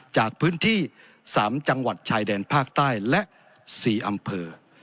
จากพื้นที่๓จังหวัดชายแดนภาคใต้และ๔อำเภอ